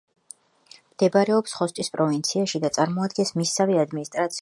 მდებარეობს ხოსტის პროვინციაში და წარმოადგენს მისსავე ადმინისტრაციულ ცენტრს.